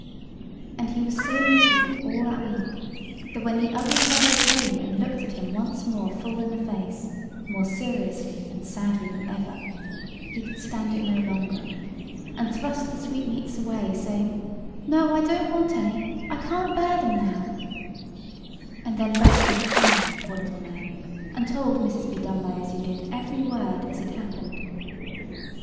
And he was so miserable all that week that when the ugly fairy came and looked at him once more full in the face, more seriously and sadly than ever, he could stand it no longer, and thrust the sweetmeats away, saying, "No, I don't want any: I can't bear them now," and then burst out crying, poor little man, and told Mrs. Bedonebyasyoudid every word as it happened.